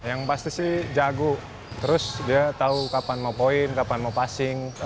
yang pasti sih jago terus dia tau kapan mau poin kapan mau passing